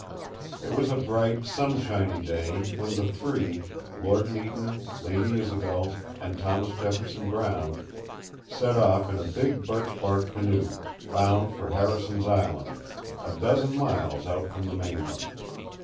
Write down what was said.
It was a bright, sunshiny day when the three Lord Meton, Lady Isobel, and Thomas Jefferson Brown set off in a big birchbark canoe, bound for Harrison's Island, a dozen miles out from the mainland.